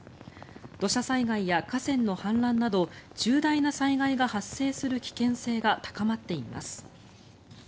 土砂災害や河川の氾濫など重大な災害が発生する危険性が高まっています。